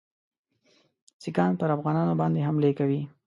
سیکهان پر افغانانو باندي حملې کوي.